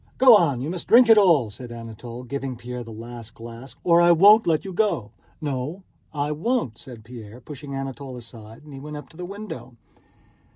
"Go on, you must drink it all," said Anatole, giving Pierre the last glass, "or I won't let you go!" "No, I won't," said Pierre, pushing Anatole aside, and he went up to the window.